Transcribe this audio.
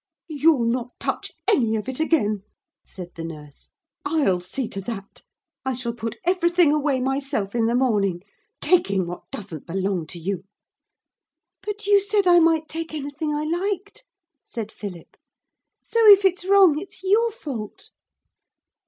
'You'll not touch any of it again,' said the nurse. 'I'll see to that. I shall put everything away myself in the morning. Taking what doesn't belong to you!' 'But you said I might take anything I liked,' said Philip, 'so if it's wrong it's your fault.'